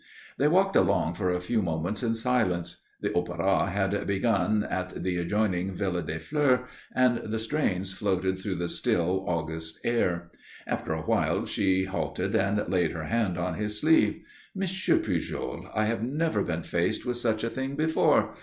They walked along for a few moments in silence; the opera had begun at the adjoining Villa des Fleurs and the strains floated through the still August air. After a while she halted and laid her hand on his sleeve. "Monsieur Pujol, I have never been faced with such a thing, before.